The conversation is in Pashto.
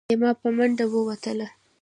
ليلما په منډه ووتله.